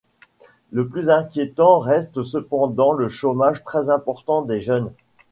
Le plus inquiétant reste cependant le chômage très important des jeunes.